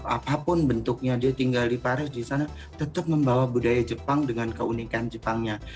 apapun bentuknya dia tinggal di paris di sana tetap membawa budaya jepang dengan keunikan jepangnya